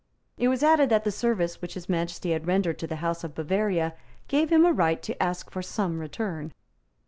It was added that the service which His Majesty had rendered to the House of Bavaria gave him a right to ask for some return.